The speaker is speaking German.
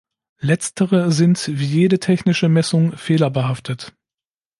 Letztere sind, wie jede technische Messung, fehlerbehaftet.